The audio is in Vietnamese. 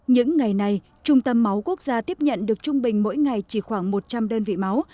những ngày này trung tâm máu quốc gia tiếp nhận được trung bình mỗi ngày chỉ khoảng một trăm linh đơn vị máu